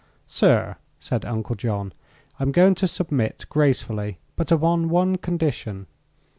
"Sir," said Uncle John, "I'm going to submit gracefully, but upon one condition."